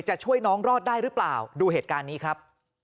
จะช่วยน้องรอดได้หรือเปล่าดูเหตุการณ์นี้ครับ